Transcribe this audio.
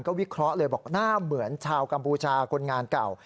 วิเคราะห์เลยบอกหน้าเหมือนชาวกัมพูชาคนงานเก่า